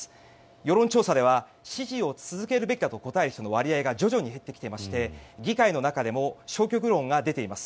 世論調査では支持を続けるべきだと答える人の割合が徐々に減ってきていまして議会の中でも消極論が出ています。